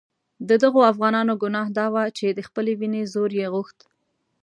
د دغو افغانانو ګناه دا وه چې د خپلې وینې زور یې غوښت.